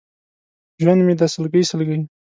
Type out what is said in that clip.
ژوند مې دی سلګۍ، سلګۍ!